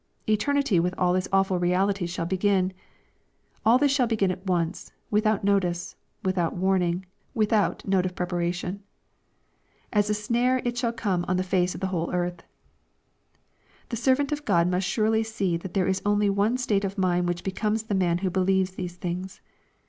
Eternity with all its awful realities shall begin. All this shall begin at once, without notice, without warning, without note of preparation. " As a snare shall it come on the face of the whole earth." The servant of God must surely see that there is only one state of mind which becomes the man who believes these things.